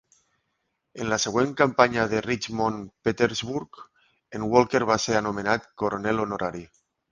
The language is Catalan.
En la següent campanya de Richmond-Petersburg, en Walker va ser anomenat coronel honorari.